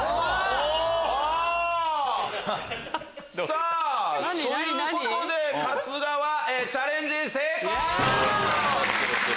さぁということで春日はチャレンジ成功！